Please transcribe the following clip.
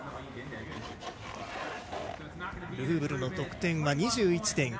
ルフーブルの得点は２１．９８。